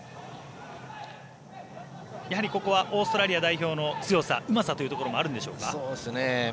ここはオーストラリア代表の強さ、うまさというところがあるんでしょうか。